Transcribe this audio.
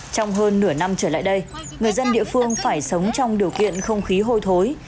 trong hơn nửa năm trở lại đây người dân địa phương phải sống trong điều kiện không khí hôi thối